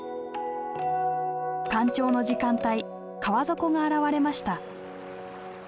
干潮の時間帯川底が現れました。